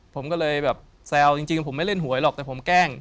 ผมก็เลยแบบแซวจริงผมไม่เล่นหวยหรอกแต่ผมแกล้ง